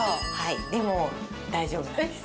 でも大丈夫なんです。